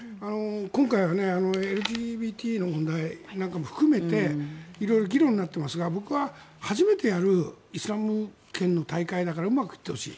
今回はＬＧＢＴの問題なんかも含めて色々議論になっていますが僕は初めてやるイスラム圏の大会だからうまくいってほしい。